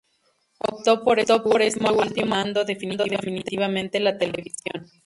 Optó por este último, abandonando definitivamente la televisión.